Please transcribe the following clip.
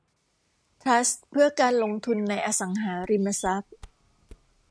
ทรัสต์เพื่อการลงทุนในอสังหาริมทรัพย์